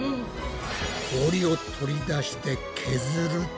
氷を取り出して削ると。